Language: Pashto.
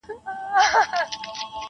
• قاسم یار له زر پرستو بېل په دې سو,